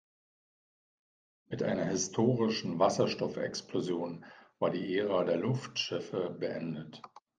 Mit einer historischen Wasserstoffexplosion war die Ära der Luftschiffe beendet.